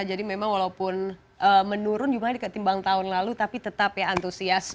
jadi memang walaupun menurun jumlahnya dikatimbang tahun lalu tapi tetap ya antusias